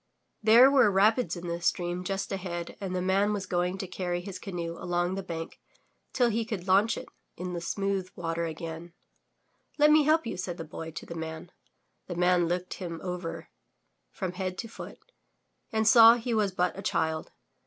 There were rapids in the stream just ahead and the man was going to carry his canoe along the bank till he could launch it in smooth water again. 'Xet me help you, said the Boy to the Man. The Man looked him over from head to foot and saw he was but a child.